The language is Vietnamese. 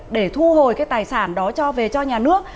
để thu hồi cái tài sản đó cho về cho nhà nước